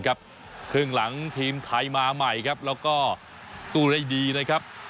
ครึ่งหลังทีมไทยมาใหม่ครับแล้วก็สู้ได้ดีนะครับ